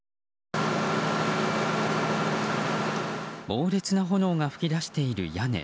猛烈な炎が噴き出している屋根。